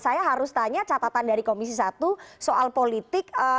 saya ingin bertanya catatan dari komisi satu soal politik